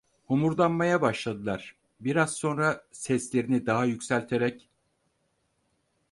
Homurdanmaya başladılar; biraz sonra seslerini daha yükselterek: